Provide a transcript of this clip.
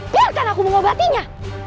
biarkan aku mengobatinya